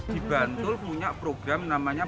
di bantul punya program namanya